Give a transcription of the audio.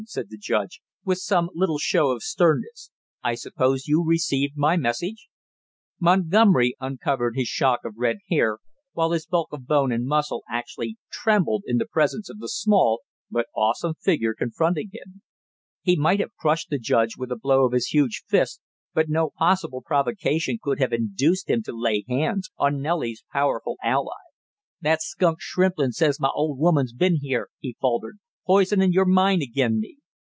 said the judge, with some little show of sternness. "I suppose you received my message?" Montgomery uncovered his shock of red hair, while his bulk of bone and muscle actually trembled in the presence of the small but awesome figure confronting him. He might have crushed the judge with a blow of his huge fist, but no possible provocation could have induced him to lay hands on Nellie's powerful ally. "That skunk Shrimplin says my old woman's been here," he faltered, "poisonin' your mind agin me!"